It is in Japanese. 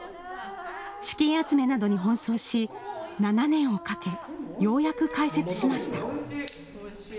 資金集めなどに奔走し７年をかけ、ようやく開設しました。